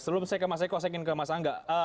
sebelum saya ke mas eko saya ingin ke mas angga